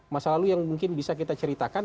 masa lalu yang mungkin bisa kita ceritakan